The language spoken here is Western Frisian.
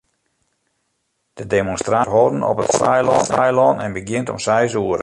De demonstraasje wurdt hâlden op it Saailân en begjint om seis oere.